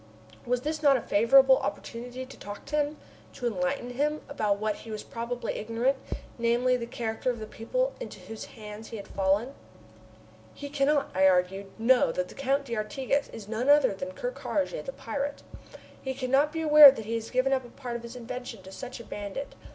Was this not a favorable opportunity to talk to him, to enlighten him about what he was probably ignorant, namely, the character of the people into whose hands he had fallen? "He cannot," I argued, "know that the Count d'Artigas is none other than Ker Karraje, the pirate. He cannot be aware that he has given up a part of his invention to such a bandit.